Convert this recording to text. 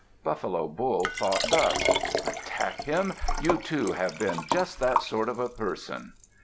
Buffalo Bull thought thus: "Attack him! You too have been just that sort of a person."